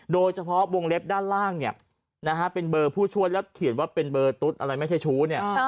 โดยเฉพาะวงเล็บด้านล่างเป็นเบอร์ผู้ช่วยแล้วเขียนว่าเป็นเบอร์ตุ๊ดไม่ใช่ชู้